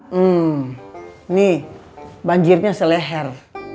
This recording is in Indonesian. hmm nih banjirnya seleher